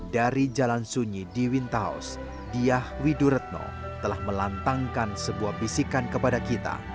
dari jalan sunyi di wintaus diah widuretno telah melantangkan sebuah bisikan kepada kita